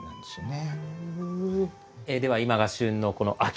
では今が旬のこの秋